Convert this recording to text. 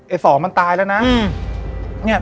สองมันตายแล้วนะ